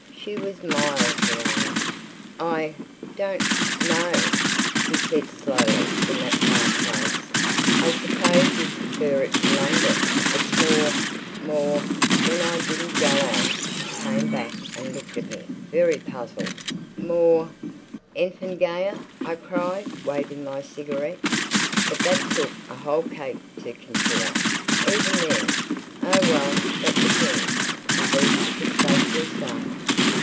She was miles away. "I—don't—know," she said slowly, from that far place. "I suppose you prefer it to London. It's more—more—" When I didn't go on she came back and looked at me, very puzzled. "More—?" "Enfin—gayer," I cried, waving my cigarette. But that took a whole cake to consider. Even then, "Oh well, that depends!" was all she could safely say.